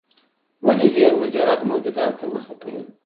ولي ذهن مجرد موجوداتو ته مخه کوي؟